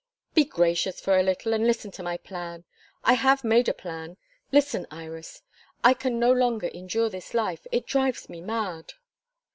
"Be gracious for a little, and listen to my plan. I have made a plan. Listen, Iris. I can no longer endure this life. It drives me mad."